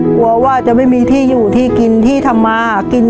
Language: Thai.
กลัวว่าจะไม่มีที่อยู่ที่กินที่ทำมากิน